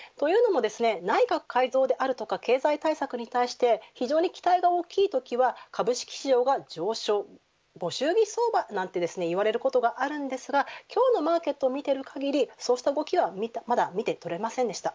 内閣改造であるとか経済対策について非常に期待が大きいときは株式市場が上昇ご祝儀相場なんて言われることもありますが今日のマーケットを見ている限りそうした動きはまだ見て取れませんでした。